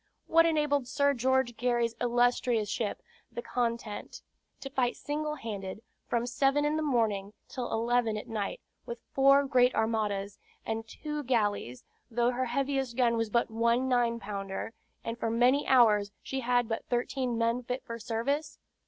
What enabled Sir George Gary's illustrious ship, the Content, to fight single handed, from seven in the morning till eleven at night, with four great armadas and two galleys, though her heaviest gun was but one nine pounder, and for many hours she had but thirteen men fit for service?